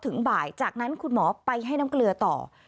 ถึงบ่ายจากนั้นคุณหมอไปให้น้ำเกลือต่อ